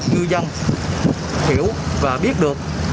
như dân hiểu và biết được